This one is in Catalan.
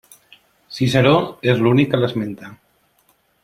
Ciceró és l'únic que l'esmenta.